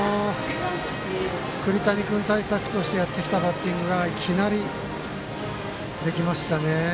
栗谷君対策としてやってきたバッティングがいきなりできましたね。